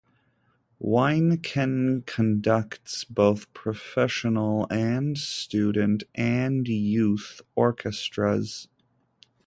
Wyneken conducts both professional and student and youth orchestras.